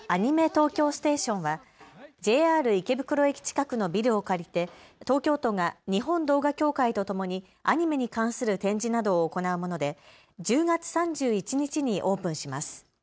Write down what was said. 東京ステーションはＪＲ池袋駅近くのビルを借りて東京都が日本動画協会とともにアニメに関する展示などを行うもので１０月３１日にオープンします。